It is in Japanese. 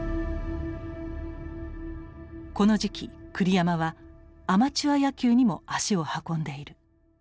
この時期栗山はアマチュア野球にも足を運んでいる。